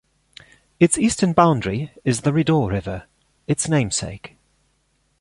Its eastern boundary is the Rideau River, its namesake.